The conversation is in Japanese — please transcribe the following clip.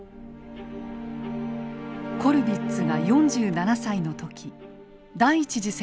コルヴィッツが４７歳の時第一次世界大戦が勃発。